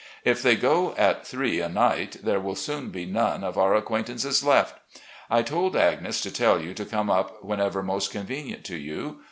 If they go at three a night, there will soon be none of our acquaintances left. I told Agnes to tell you to come up whenever most convenient to you.